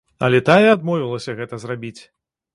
Але тая адмовілася гэта зрабіць.